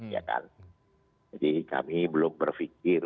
jadi kami belum berpikir